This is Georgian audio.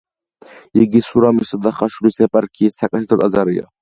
იგი სურამისა და ხაშურის ეპარქიის საკათედრო ტაძარია.